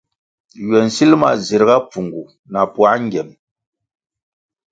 Ywe nsil ma zirga pfungu na puā ngyem.